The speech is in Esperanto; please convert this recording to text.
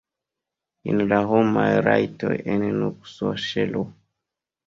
Jen la homaj rajtoj en nuksoŝelo!